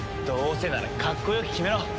どうせならかっこよく決めろ！